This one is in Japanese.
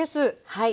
はい。